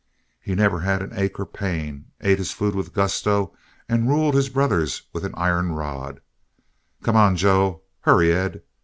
He never had an ache or pain, ate his food with gusto, and ruled his brothers with a rod of iron. "Come on, Joe!" "Hurry, Ed!"